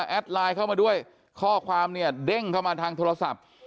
ไลน์เข้ามาด้วยข้อความเนี่ยเด้งเข้ามาทางโทรศัพท์